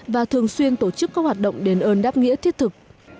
và thường xuyên tổ chức các hoạt động đền ơn đáp nghĩa thiết thực